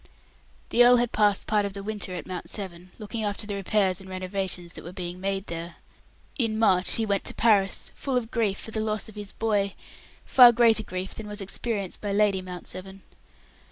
The earl had passed part of the winter at Mount Severn, looking after the repairs and renovations that were being made there. In March he went to Paris, full of grief for the loss of his boy far greater grief than was experienced by Lady Mount Severn.